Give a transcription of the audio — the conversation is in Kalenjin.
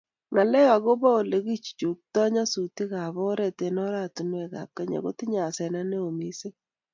Ngalalet agobo Ole kichuchuktoi nyasutikab oret eng oratinwekab Kenya kotinyei asenet neo missing